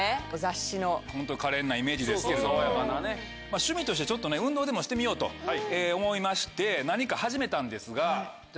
趣味として運動でもしてみようと思いまして何か始めたんですがじゃ